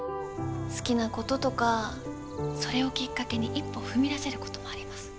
好きなこととかそれをきっかけに一歩踏み出せることもあります。